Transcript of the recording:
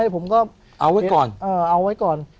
เอาไว้ก่อน